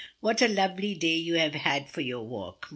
What a lovely day you have had for your walk!